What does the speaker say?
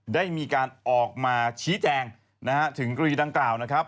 ได้มีการออกมาชี้แจงนะฮะถึงกรณีดังกล่าวนะครับ